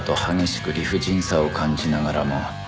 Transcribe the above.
激しく理不尽さを感じながらも